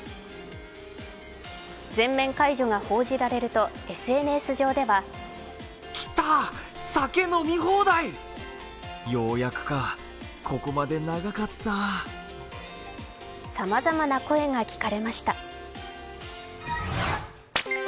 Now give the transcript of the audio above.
全面解除が報じられるとＳＮＳ上ではさまざまな声が聞かれました。